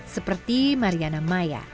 seperti mariana maya